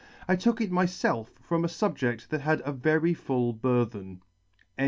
I took it myfelf from a fubjed that had a very full burthen."